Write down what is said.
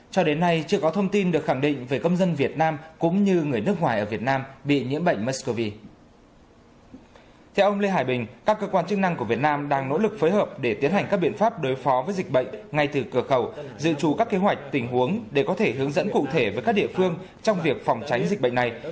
các chức năng của việt nam đang nỗ lực phối hợp để tiến hành các biện pháp đối phó với dịch bệnh ngay từ cửa khẩu dự trù các kế hoạch tình huống để có thể hướng dẫn cụ thể với các địa phương trong việc phòng tránh dịch bệnh này